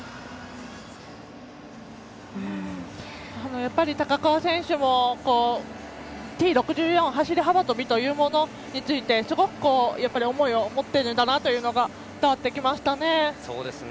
やっぱり高桑選手もＴ６４の走り幅跳びというものについてすごく思いを持っていることが伝わってきましたね。